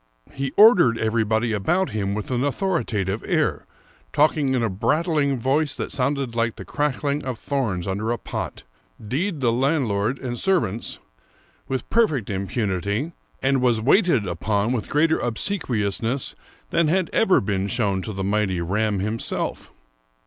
He ordered everybody about him with an authoritative air, talk ing in a brattling ^ voice that sounded like the crackling of thorns under a pot, d — d the landlord and servants with perfect impunity, and was waited upon with greater obse quiousness than had ever been shown to the mighty Ramm himself.